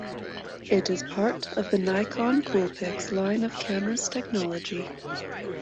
It is part of the Nikon Coolpix line of cameras Technology.